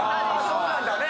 そうなんだね。